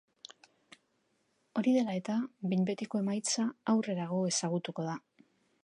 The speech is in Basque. Hori dela eta, behin betiko emaitza aurrerago ezagutuko da.